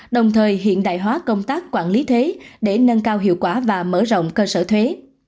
đồng thời hiện đại hóa công tác quản lý thuế để nâng cao hiệu quả và mở rộng cơ sở thuế